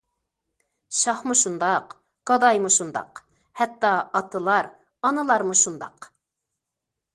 شاھمۇ شۇنداق، گادايمۇ شۇنداق، ھەتتا ئاتىلار، ئانىلارمۇ شۇنداق.